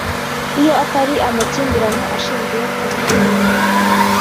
Iyo atari amakimbirane ashingiye ku mutungo